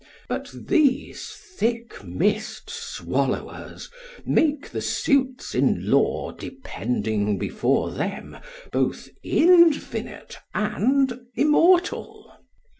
But these thick mist swallowers make the suits in law depending before them both infinite and immortal.